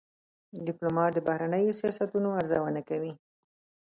ډيپلومات د بهرنیو سیاستونو ارزونه کوي.